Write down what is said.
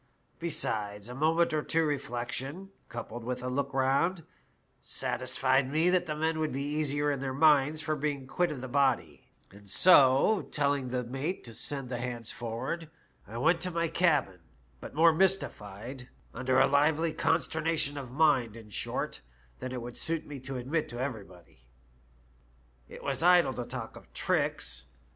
Besides, a moment or two's reflection, coupled with a look round, satisfied me that the men would be easier in their minds for being quit of the body, and so, telling the mate to send the hands forward, I went to my cabin ; but more mystified, under a livelier consternation of mind, in short, than it would suit me to admit to every body. It was idle to talk of tricks.